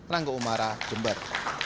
rangga umara jember